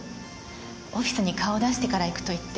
オフィスに顔を出してから行くと言って。